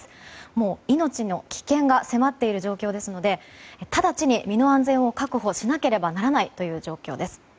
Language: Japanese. もう命の危険が迫っている状況ですので直ちに身の安全を確保しなければならない状況です。